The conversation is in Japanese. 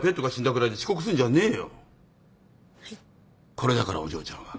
これだからお嬢ちゃんは。